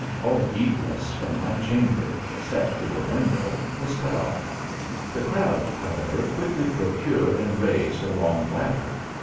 All egress from my chamber, except through a window, was cut off. The crowd, however, quickly procured and raised a long ladder.